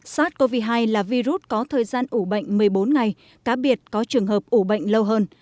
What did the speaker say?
sars cov hai là virus có thời gian ủ bệnh một mươi bốn ngày cá biệt có trường hợp ủ bệnh lâu hơn